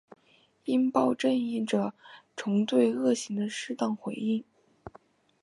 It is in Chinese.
应报正义着重对恶行的适当回应。